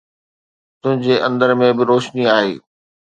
تنهنجي اندر ۾ به روشني آهي.